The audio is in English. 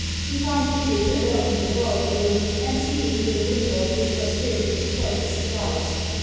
He found Edith alone in the drawing room, and seated near the window, which was filled with choicest flowers.